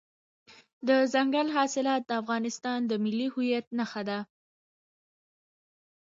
دځنګل حاصلات د افغانستان د ملي هویت نښه ده.